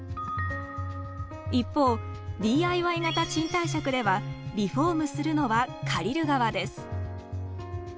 一方ＤＩＹ型賃貸借ではリフォームするのは借りる側です。